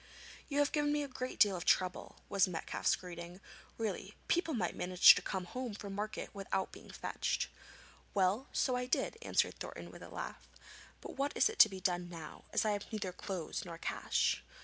'You have given me a great deal of trouble,' was Metcalfe's greeting. 'Really, people might manage to come home from market without being fetched.' 'Well, so I did,' answered Thornton with a laugh. 'But what is to be done now, as I have neither clothes nor cash?'